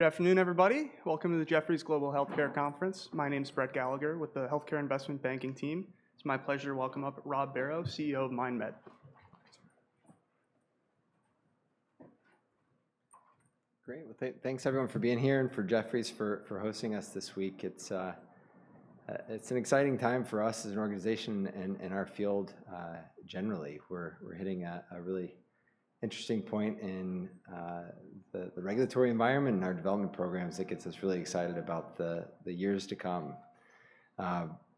Good afternoon, everybody. Welcome to the Jefferies Global Healthcare Conference. My name's Brett Gallagher with the Healthcare Investment Banking Team. It's my pleasure to welcome up Rob Barrow, CEO of MindMed. Great. Thanks everyone for being here and for Jefferies for hosting us this week. It's an exciting time for us as an organization and our field generally. We're hitting a really interesting point in the regulatory environment and our development programs that gets us really excited about the years to come.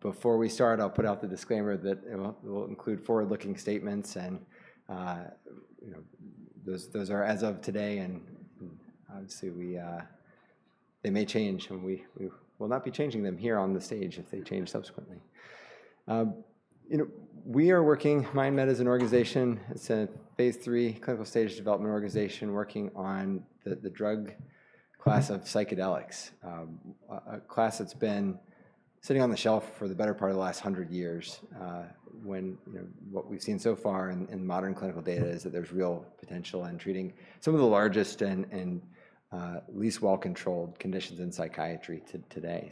Before we start, I'll put out the disclaimer that it will include forward-looking statements, and those are as of today, and obviously they may change, and we will not be changing them here on the stage if they change subsequently. We are working—MindMed is an organization, it's a phase III clinical stage development organization working on the drug class of psychedelics, a class that's been sitting on the shelf for the better part of the last 100 years. What we've seen so far in modern clinical data is that there's real potential in treating some of the largest and least well-controlled conditions in psychiatry today.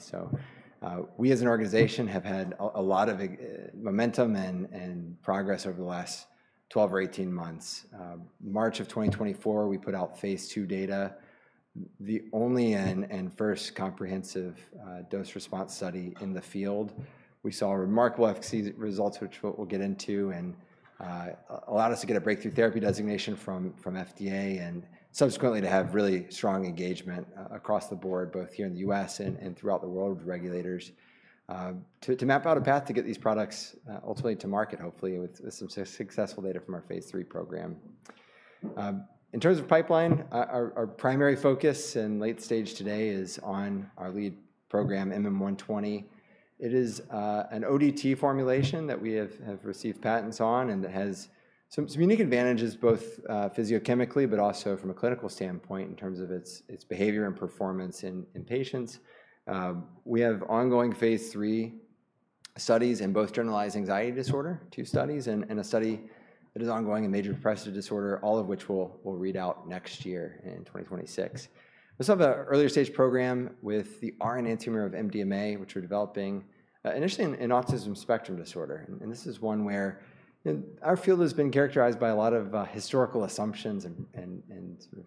We, as an organization, have had a lot of momentum and progress over the last 12 months or 18 months. March of 2024, we put out phase II data, the only and first comprehensive dose-response study in the field. We saw remarkable efficacy results, which we'll get into, and allowed us to get a Breakthrough Therapy designation from FDA and subsequently to have really strong engagement across the board, both here in the U.S. and throughout the world with regulators to map out a path to get these products ultimately to market, hopefully with some successful data from our phase III program. In terms of pipeline, our primary focus in late stage today is on our lead program, MM120. It is an ODT formulation that we have received patents on and that has some unique advantages both physiochemically but also from a clinical standpoint in terms of its behavior and performance in patients. We have ongoing phase III studies in both generalized anxiety disorder, two studies, and a study that is ongoing in major depressive disorder, all of which will read out next year in 2026. We also have an early stage program with the R-MDMA, which we are developing initially in autism spectrum disorder. This is one where our field has been characterized by a lot of historical assumptions and sort of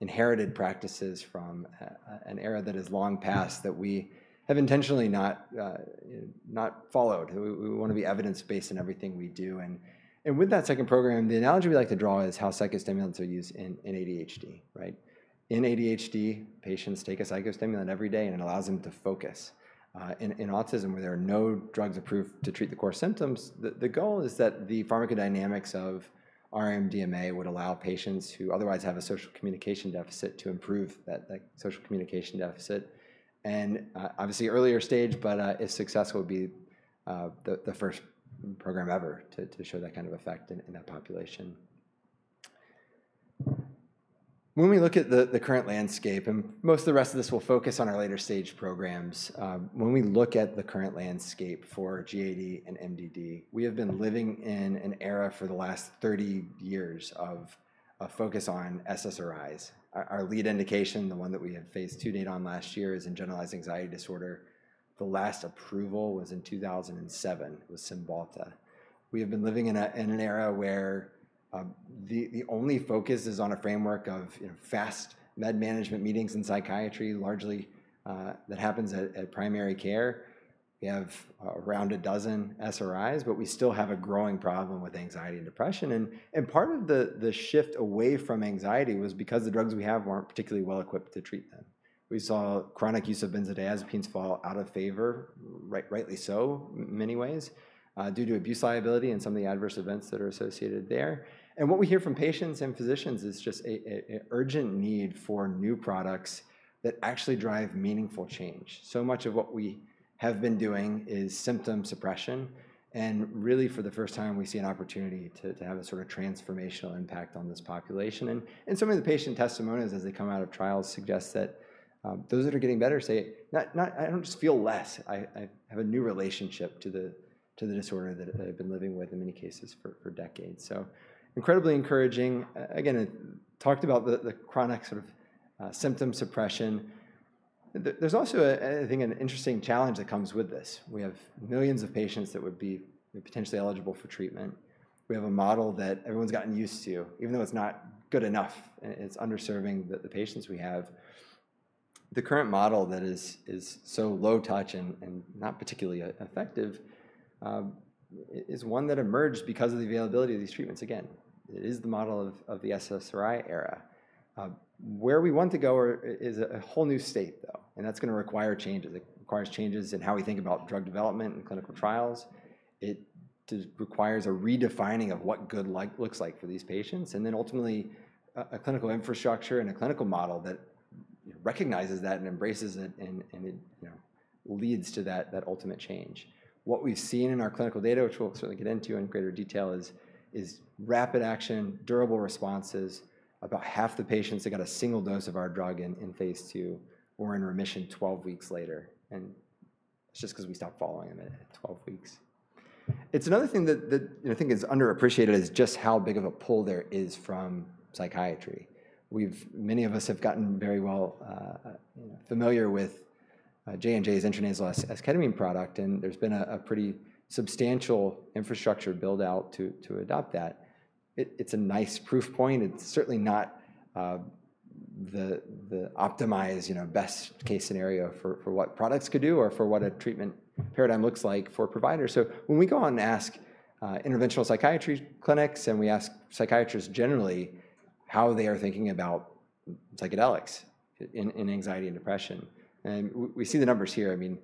inherited practices from an era that is long past that we have intentionally not followed. We want to be evidence-based in everything we do. With that second program, the analogy we like to draw is how psychostimulants are used in ADHD, right? In ADHD, patients take a psychostimulant every day, and it allows them to focus. In autism, where there are no drugs approved to treat the core symptoms, the goal is that the pharmacodynamics of R-MDMA would allow patients who otherwise have a social communication deficit to improve that social communication deficit. Obviously, earlier stage, but if successful, it would be the first program ever to show that kind of effect in that population. When we look at the current landscape, and most of the rest of this will focus on our later stage programs, when we look at the current landscape for GAD and MDD, we have been living in an era for the last 30 years of focus on SSRIs. Our lead indication, the one that we had phase II data on last year, is in generalized anxiety disorder. The last approval was in 2007 with Cymbalta. We have been living in an era where the only focus is on a framework of fast med management meetings in psychiatry, largely that happens at primary care. We have around a dozen SRIs, but we still have a growing problem with anxiety and depression. Part of the shift away from anxiety was because the drugs we have were not particularly well equipped to treat them. We saw chronic use of benzodiazepines fall out of favor, rightly so, in many ways, due to abuse liability and some of the adverse events that are associated there. What we hear from patients and physicians is just an urgent need for new products that actually drive meaningful change. So much of what we have been doing is symptom suppression. Really, for the first time, we see an opportunity to have a sort of transformational impact on this population. Some of the patient testimonials, as they come out of trials, suggest that those that are getting better say, "I do not just feel less. I have a new relationship to the disorder that I have been living with in many cases for decades." Incredibly encouraging. Again, talked about the chronic sort of symptom suppression. There is also, I think, an interesting challenge that comes with this. We have millions of patients that would be potentially eligible for treatment. We have a model that everyone has gotten used to, even though it is not good enough, it is underserving the patients we have. The current model that is so low touch and not particularly effective is one that emerged because of the availability of these treatments. Again, it is the model of the SSRI era. Where we want to go is a whole new state, though, and that is going to require changes. It requires changes in how we think about drug development and clinical trials. It requires a redefining of what good looks like for these patients, and then ultimately a clinical infrastructure and a clinical model that recognizes that and embraces it and leads to that ultimate change. What we've seen in our clinical data, which we'll certainly get into in greater detail, is rapid action, durable responses. About half the patients that got a single dose of our drug in phase II were in remission 12 weeks later. And it's just because we stopped following them at 12 weeks. It's another thing that I think is underappreciated is just how big of a pull there is from psychiatry. Many of us have gotten very well familiar with J&J's intranasal esketamine product, and there's been a pretty substantial infrastructure build-out to adopt that. It's a nice proof point. It's certainly not the optimized, best-case scenario for what products could do or for what a treatment paradigm looks like for providers. When we go on and ask interventional psychiatry clinics, and we ask psychiatrists generally how they are thinking about psychedelics in anxiety and depression, and we see the numbers here, I mean,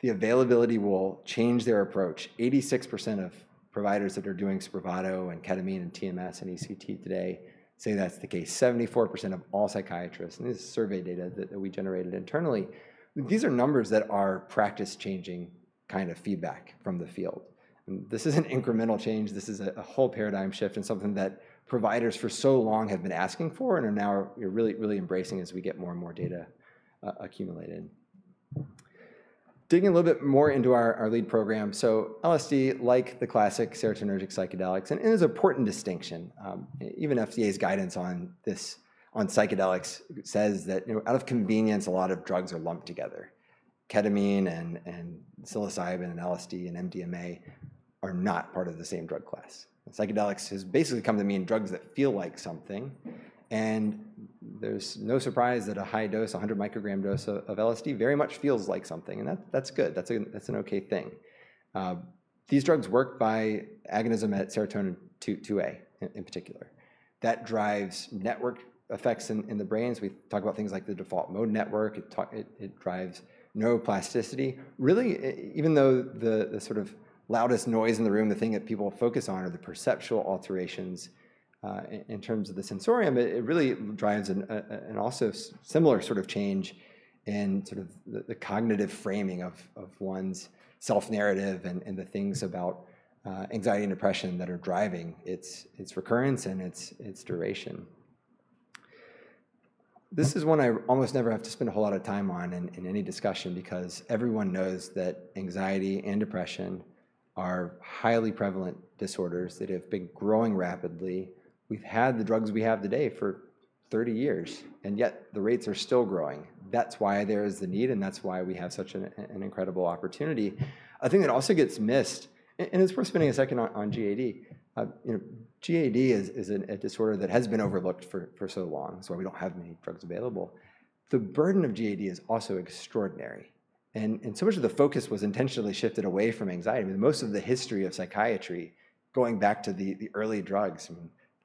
the availability will change their approach. 86% of providers that are doing SPRAVATO and ketamine and TMS and ECT today say that's the case. 74% of all psychiatrists, and this is survey data that we generated internally. These are numbers that are practice-changing kind of feedback from the field. This isn't incremental change. This is a whole paradigm shift and something that providers for so long have been asking for and are now really embracing as we get more and more data accumulated. Digging a little bit more into our lead program, LSD, like the classic serotonergic psychedelics, and it is a pertinent distinction. Even FDA's guidance on psychedelics says that out of convenience, a lot of drugs are lumped together. Ketamine and psilocybin and LSD and MDMA are not part of the same drug class. Psychedelics has basically come to mean drugs that feel like something. There is no surprise that a high dose, 100 microgram dose of LSD very much feels like something, and that's good. That's an okay thing. These drugs work by agonism at serotonin 2A in particular. That drives network effects in the brains. We talk about things like the default mode network. It drives neuroplasticity. Really, even though the sort of loudest noise in the room, the thing that people focus on are the perceptual alterations in terms of the sensorium, it really drives an also similar sort of change in sort of the cognitive framing of one's self-narrative and the things about anxiety and depression that are driving its recurrence and its duration. This is one I almost never have to spend a whole lot of time on in any discussion because everyone knows that anxiety and depression are highly prevalent disorders that have been growing rapidly. We've had the drugs we have today for 30 years, and yet the rates are still growing. That's why there is the need, and that's why we have such an incredible opportunity. A thing that also gets missed, and it's worth spending a second on GAD, GAD is a disorder that has been overlooked for so long, so we do not have many drugs available. The burden of GAD is also extraordinary. So much of the focus was intentionally shifted away from anxiety. I mean, most of the history of psychiatry going back to the early drugs,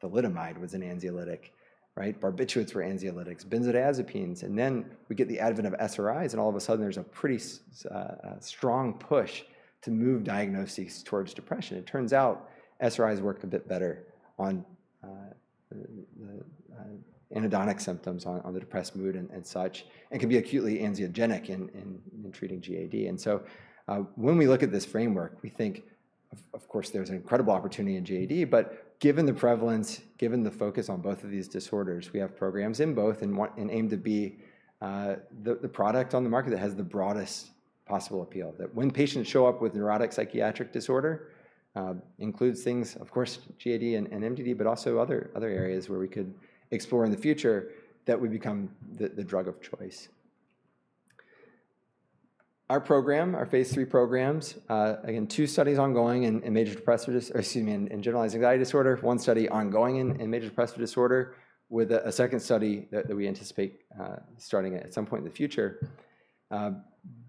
thalidomide was an anxiolytic, right? Barbiturates were anxiolytics, benzodiazepines, and then we get the advent of SRIs, and all of a sudden there is a pretty strong push to move diagnoses towards depression. It turns out SRIs work a bit better on the anhedonic symptoms on the depressed mood and such and can be acutely anxiogenic in treating GAD. When we look at this framework, we think, of course, there's an incredible opportunity in GAD, but given the prevalence, given the focus on both of these disorders, we have programs in both and aim to be the product on the market that has the broadest possible appeal. That when patients show up with neurotic psychiatric disorder, it includes things, of course, GAD and MDD, but also other areas where we could explore in the future that would become the drug of choice. Our program, our phase III programs, again, two studies ongoing in generalized anxiety disorder, one study ongoing in major depressive disorder with a second study that we anticipate starting at some point in the future.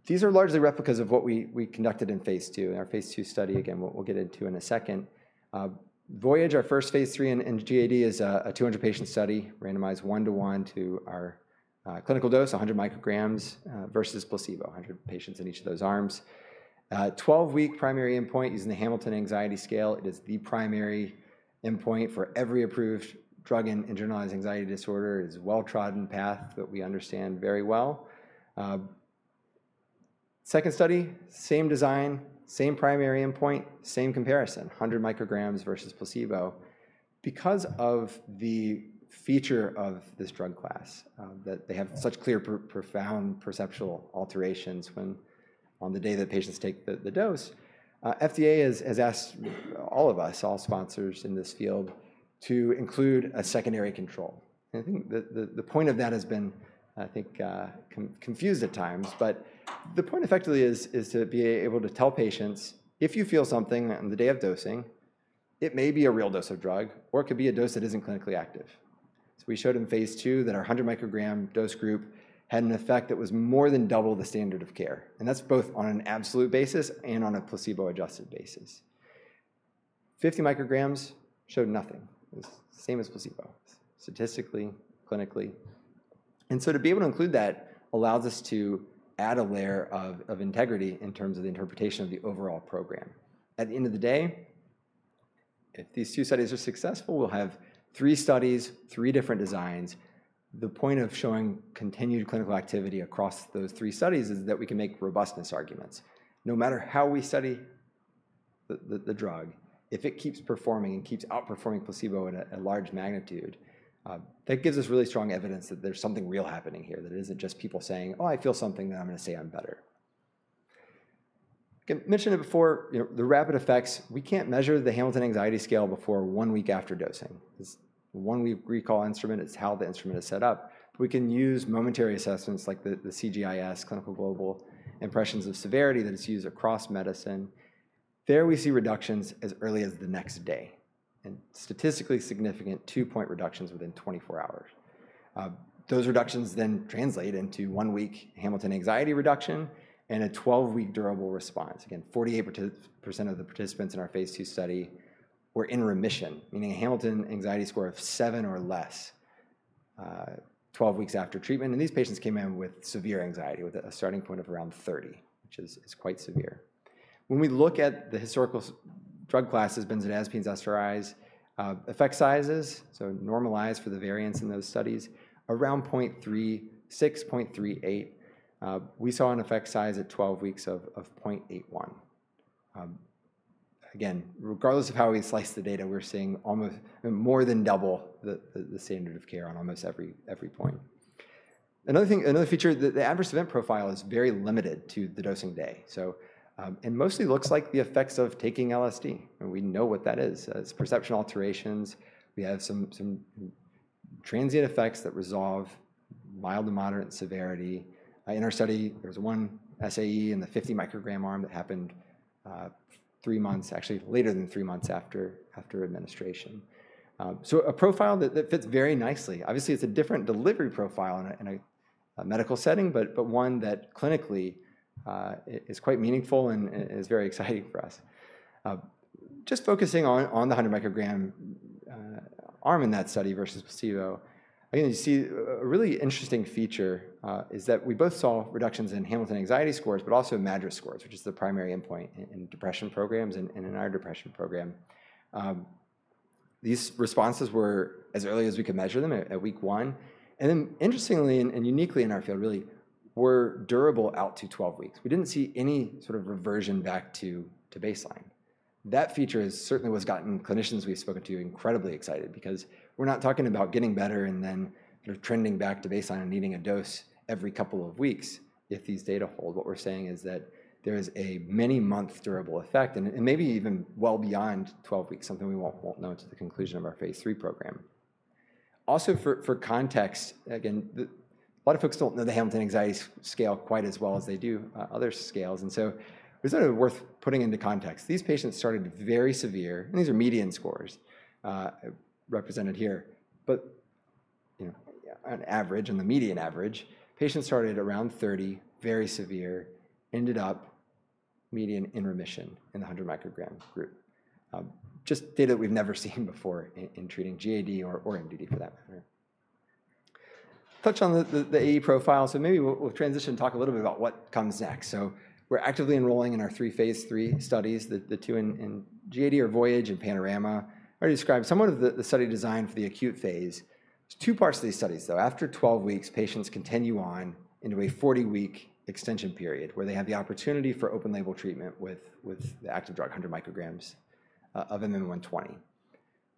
These are largely replicas of what we conducted in phase II. Our phase II study, again, we'll get into in a second. Voyage, our first phase III in GAD, is a 200-patient study, randomized one-to-one to our clinical dose, 100 micrograms versus placebo, 100 patients in each of those arms. Twelve-week primary endpoint using the Hamilton Anxiety Rating Scale. It is the primary endpoint for every approved drug in generalized anxiety disorder. It is a well-trodden path that we understand very well. Second study, same design, same primary endpoint, same comparison, 100 micrograms versus placebo. Because of the feature of this drug class, that they have such clear, profound perceptual alterations on the day that patients take the dose, FDA has asked all of us, all sponsors in this field, to include a secondary control. I think the point of that has been, I think, confused at times, but the point effectively is to be able to tell patients, if you feel something on the day of dosing, it may be a real dose of drug, or it could be a dose that isn't clinically active. We showed in phase II that our 100-microgram dose group had an effect that was more than double the standard of care. That is both on an absolute basis and on a placebo-adjusted basis. 50 micrograms showed nothing. It was the same as placebo, statistically, clinically. To be able to include that allows us to add a layer of integrity in terms of the interpretation of the overall program. At the end of the day, if these two studies are successful, we'll have three studies, three different designs. The point of showing continued clinical activity across those three studies is that we can make robustness arguments. No matter how we study the drug, if it keeps performing and keeps outperforming placebo at a large magnitude, that gives us really strong evidence that there's something real happening here that isn't just people saying, "Oh, I feel something that I'm going to say I'm better." I mentioned it before, the rapid effects, we can't measure the Hamilton Anxiety Rating Scale before one week after dosing. The one-week recall instrument is how the instrument is set up. We can use momentary assessments like the CGIS, Clinical Global Impression of Severity, that is used across medicine. There we see reductions as early as the next day and statistically significant two-point reductions within 24 hours. Those reductions then translate into one-week Hamilton Anxiety reduction and a 12-week durable response. Again, 48% of the participants in our phase II study were in remission, meaning a Hamilton Anxiety score of seven or less 12 weeks after treatment. These patients came in with severe anxiety with a starting point of around 30, which is quite severe. When we look at the historical drug classes, benzodiazepines, SRIs, effect sizes, so normalized for the variance in those studies, around 0.36, 0.38. We saw an effect size at 12 weeks of 0.81. Regardless of how we slice the data, we're seeing more than double the standard of care on almost every point. Another feature, the adverse event profile is very limited to the dosing day. It mostly looks like the effects of taking LSD. We know what that is. It's perception alterations. We have some transient effects that resolve, mild to moderate severity. In our study, there was one SAE in the 50-microgram arm that happened three months, actually later than three months after administration. So a profile that fits very nicely. Obviously, it's a different delivery profile in a medical setting, but one that clinically is quite meaningful and is very exciting for us. Just focusing on the 100-microgram arm in that study versus placebo, again, you see a really interesting feature is that we both saw reductions in Hamilton Anxiety scores, but also MADRS scores, which is the primary endpoint in depression programs and in our depression program. These responses were as early as we could measure them at week one. And then interestingly and uniquely in our field, really, were durable out to 12 weeks. We didn't see any sort of reversion back to baseline. That feature has certainly gotten clinicians we've spoken to incredibly excited because we're not talking about getting better and then trending back to baseline and needing a dose every couple of weeks. If these data hold, what we're saying is that there is a many-month durable effect and maybe even well beyond 12 weeks, something we won't know until the conclusion of our phase III program. Also, for context, again, a lot of folks don't know the Hamilton Anxiety Rating Scale quite as well as they do other scales. It is sort of worth putting into context. These patients started very severe, and these are median scores represented here, but on average, on the median average, patients started around 30, very severe, ended up median in remission in the 100-microgram group. Just data that we've never seen before in treating GAD or MDD for that matter. Touch on the AE profile. Maybe we'll transition and talk a little bit about what comes next. We're actively enrolling in our three phase III studies. The two in GAD are Voyage and Panorama. I already described somewhat of the study design for the acute phase. There are two parts of these studies, though. After 12 weeks, patients continue on into a 40-week extension period where they have the opportunity for open-label treatment with the active drug 100 micrograms of MM120.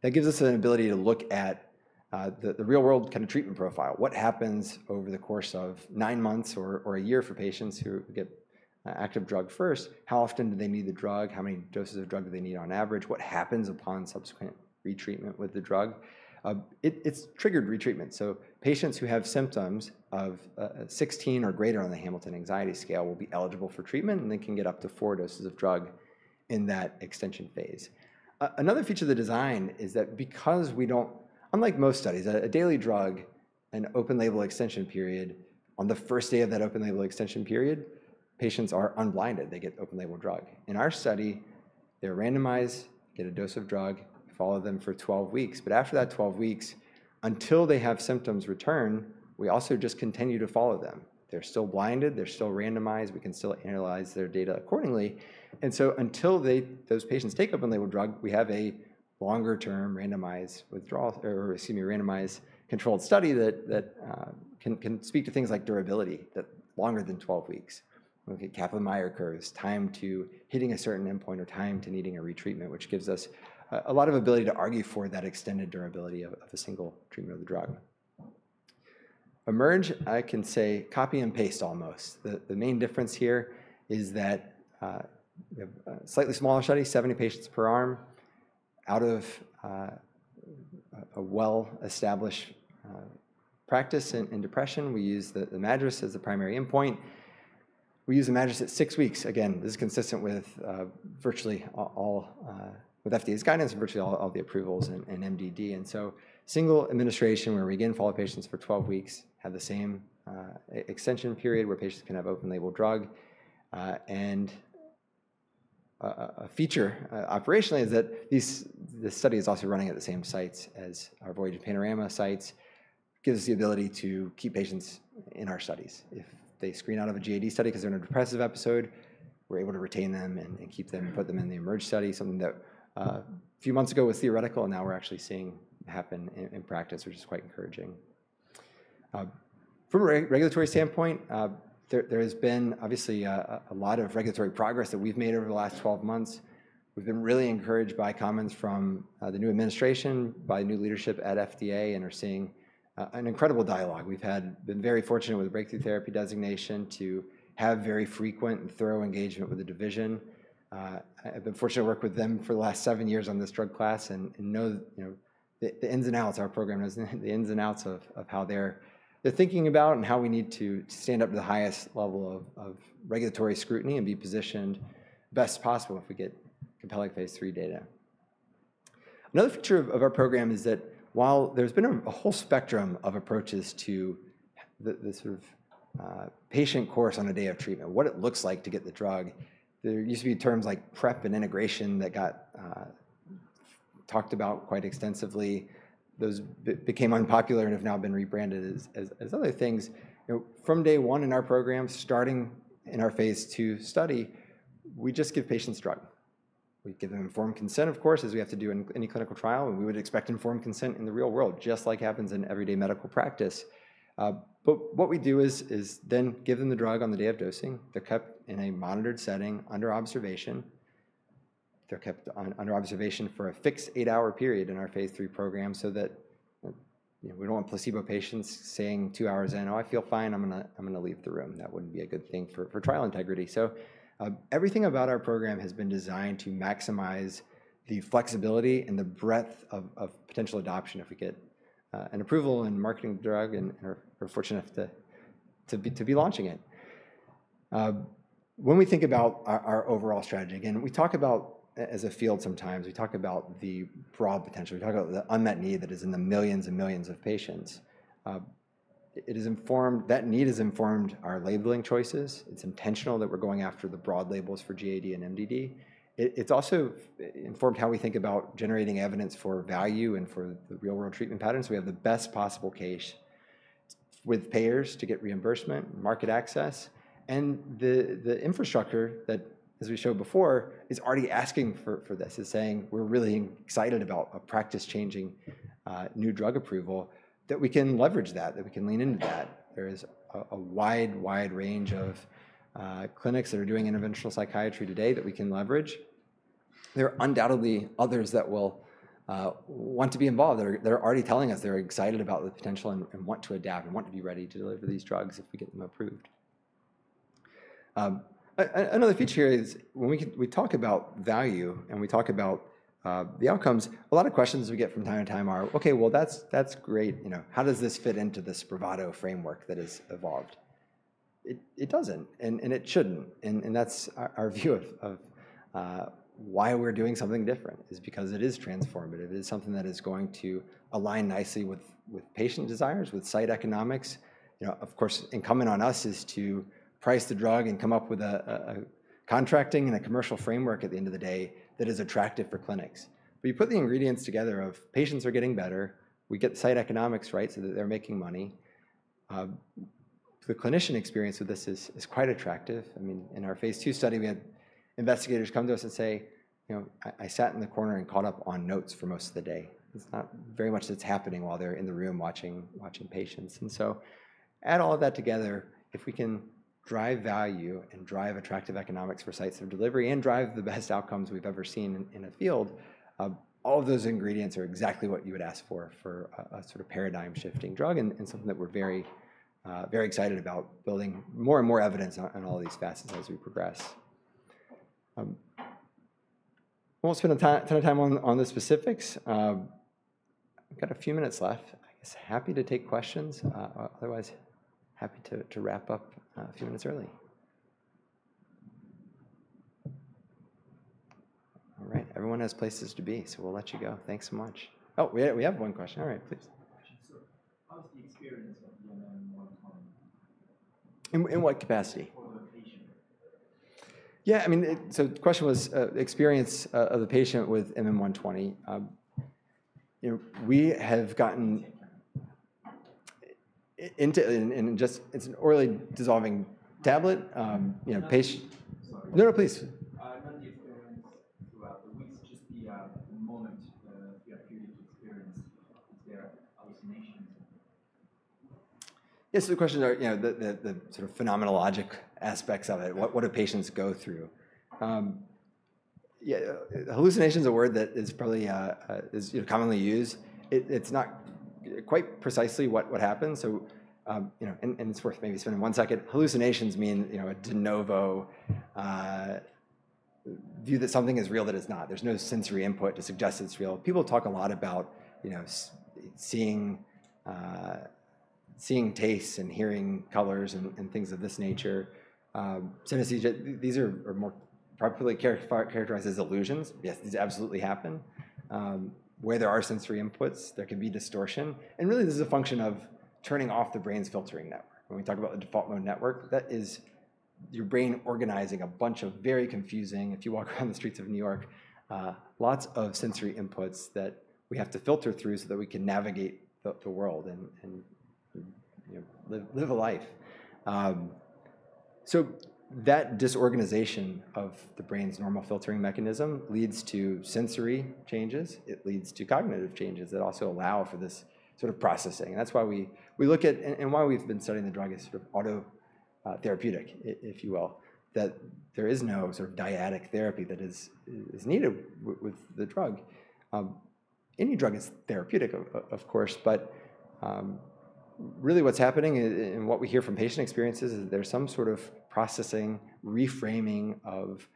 That gives us an ability to look at the real-world kind of treatment profile. What happens over the course of nine months or a year for patients who get active drug first? How often do they need the drug? How many doses of drug do they need on average? What happens upon subsequent retreatment with the drug? It's triggered retreatment. Patients who have symptoms of 16 or greater on the Hamilton Anxiety Rating Scale will be eligible for treatment, and they can get up to four doses of drug in that extension phase. Another feature of the design is that because we do not, unlike most studies, a daily drug, an open-label extension period, on the first day of that open-label extension period, patients are unblinded. They get open-label drug. In our study, they are randomized, get a dose of drug, follow them for 12 weeks. After that 12 weeks, until they have symptoms return, we also just continue to follow them. They are still blinded. They are still randomized. We can still analyze their data accordingly. Until those patients take open-label drug, we have a longer-term randomized withdrawal or, excuse me, randomized controlled study that can speak to things like durability, that longer than 12 weeks. We get Kaplan-Meier curves, time to hitting a certain endpoint or time to needing a retreatment, which gives us a lot of ability to argue for that extended durability of a single treatment of the drug. Emerge, I can say, copy and paste almost. The main difference here is that we have a slightly smaller study, 70 patients per arm. Out of a well-established practice in depression, we use the MADRS as the primary endpoint. We use the MADRS at six weeks. Again, this is consistent with virtually all, with FDA's guidance, virtually all the approvals in MDD. A single administration where we again follow patients for 12 weeks, have the same extension period where patients can have open-label drug. A feature operationally is that this study is also running at the same sites as our Voyage and Panorama sites. It gives us the ability to keep patients in our studies. If they screen out of a GAD study because they're in a depressive episode, we're able to retain them and keep them and put them in the Emerge study, something that a few months ago was theoretical, and now we're actually seeing happen in practice, which is quite encouraging. From a regulatory standpoint, there has been obviously a lot of regulatory progress that we've made over the last 12 months. We've been really encouraged by comments from the new administration, by new leadership at FDA, and are seeing an incredible dialogue. We've been very fortunate with the Breakthrough Therapy designation to have very frequent and thorough engagement with the division. I've been fortunate to work with them for the last seven years on this drug class and know the ins and outs, our program knows the ins and outs of how they're thinking about and how we need to stand up to the highest level of regulatory scrutiny and be positioned best possible if we get compelling phase III data. Another feature of our program is that while there's been a whole spectrum of approaches to the sort of patient course on a day of treatment, what it looks like to get the drug, there used to be terms like prep and integration that got talked about quite extensively. Those became unpopular and have now been rebranded as other things. From day one in our program, starting in our phase II study, we just give patients drug. We give them informed consent, of course, as we have to do in any clinical trial, and we would expect informed consent in the real world, just like happens in everyday medical practice. What we do is then give them the drug on the day of dosing. They're kept in a monitored setting under observation. They're kept under observation for a fixed eight-hour period in our phase III program so that we don't want placebo patients saying two hours in, "Oh, I feel fine. I'm going to leave the room." That wouldn't be a good thing for trial integrity. Everything about our program has been designed to maximize the flexibility and the breadth of potential adoption if we get an approval and marketing the drug and are fortunate enough to be launching it. When we think about our overall strategy, again, we talk about, as a field sometimes, we talk about the broad potential. We talk about the unmet need that is in the millions and millions of patients. That need has informed our labeling choices. It's intentional that we're going after the broad labels for GAD and MDD. It's also informed how we think about generating evidence for value and for the real-world treatment patterns. We have the best possible case with payers to get reimbursement, market access, and the infrastructure that, as we showed before, is already asking for this. It's saying we're really excited about a practice-changing new drug approval that we can leverage that, that we can lean into that. There is a wide, wide range of clinics that are doing interventional psychiatry today that we can leverage. There are undoubtedly others that will want to be involved. They're already telling us they're excited about the potential and want to adapt and want to be ready to deliver these drugs if we get them approved. Another feature here is when we talk about value and we talk about the outcomes, a lot of questions we get from time to time are, "Okay, well, that's great. How does this fit into this Bravado framework that has evolved?" It doesn't, and it shouldn't. That is our view of why we're doing something different is because it is transformative. It is something that is going to align nicely with patient desires, with site economics. Of course, incumbent on us is to price the drug and come up with a contracting and a commercial framework at the end of the day that is attractive for clinics. You put the ingredients together of patients are getting better. We get site economics right so that they're making money. The clinician experience with this is quite attractive. I mean, in our phase II study, we had investigators come to us and say, "I sat in the corner and caught up on notes for most of the day." It's not very much that's happening while they're in the room watching patients. Add all of that together. If we can drive value and drive attractive economics for sites of delivery and drive the best outcomes we've ever seen in a field, all of those ingredients are exactly what you would ask for for a sort of paradigm-shifting drug and something that we're very excited about building more and more evidence on all these facets as we progress. We won't spend a ton of time on the specifics. We've got a few minutes left. I guess happy to take questions. Otherwise, happy to wrap up a few minutes early. All right. Everyone has places to be, so we'll let you go. Thanks so much. Oh, we have one question. All right, please. So how's the experience of the MM120? In what capacity? For the patient. Yeah, I mean, so the question was experience of the patient with MM-120. We have gotten into it's an early dissolving tablet. No, no, please. Not the experience throughout the weeks, just the moment throughout the period of experience. Is there hallucinations? Yes, the questions are the sort of phenomenologic aspects of it. What do patients go through? Yeah, hallucination is a word that is probably commonly used. It's not quite precisely what happens. And it's worth maybe spending one second. Hallucinations mean a de novo view that something is real that is not. There's no sensory input to suggest it's real. People talk a lot about seeing tastes and hearing colors and things of this nature. These are more properly characterized as illusions. Yes, these absolutely happen. Where there are sensory inputs, there can be distortion. Really, this is a function of turning off the brain's filtering network. When we talk about the default mode network, that is your brain organizing a bunch of very confusing, if you walk around the streets of New York, lots of sensory inputs that we have to filter through so that we can navigate the world and live a life. That disorganization of the brain's normal filtering mechanism leads to sensory changes. It leads to cognitive changes that also allow for this sort of processing. That is why we look at, and why we have been studying the drug as sort of autotherapeutic, if you will, that there is no sort of dietic therapy that is needed with the drug. Any drug is therapeutic, of course, but really what is happening and what we hear from patient experiences is there is some sort of processing, reframing of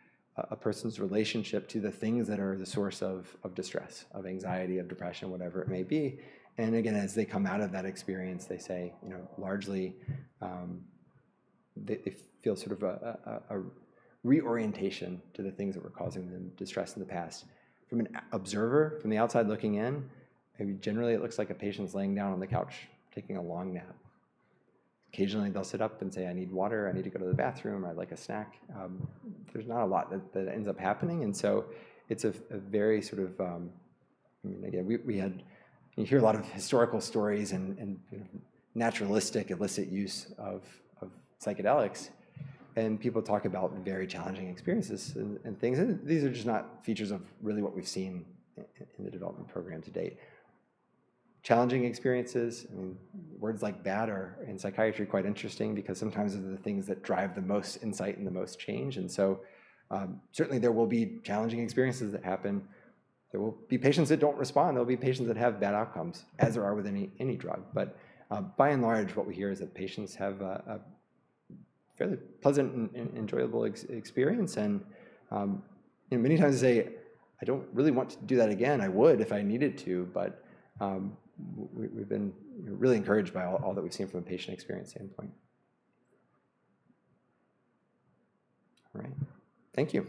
a person's relationship to the things that are the source of distress, of anxiety, of depression, whatever it may be. Again, as they come out of that experience, they say largely they feel sort of a reorientation to the things that were causing them distress in the past. From an observer, from the outside looking in, generally it looks like a patient is laying down on the couch taking a long nap. Occasionally, they will sit up and say, "I need water. I need to go to the bathroom. I'd like a snack." There's not a lot that ends up happening. It is a very sort of, I mean, again, we hear a lot of historical stories and naturalistic illicit use of psychedelics. People talk about very challenging experiences and things. These are just not features of really what we've seen in the development program to date. Challenging experiences, I mean, words like bad are in psychiatry quite interesting because sometimes they're the things that drive the most insight and the most change. Certainly there will be challenging experiences that happen. There will be patients that don't respond. There will be patients that have bad outcomes, as there are with any drug. By and large, what we hear is that patients have a fairly pleasant and enjoyable experience. Many times they say, "I don't really want to do that again. I would if I needed to. But we've been really encouraged by all that we've seen from a patient experience standpoint. All right. Thank you.